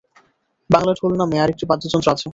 বাংলা ঢোল নামে আরেকটি বাদ্যযন্ত্র আছে।